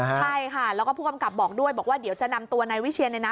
ใช่ค่ะแล้วผู้กำกับบอกด้วยเดี๋ยวจะนำตัวในวิเชียในนะ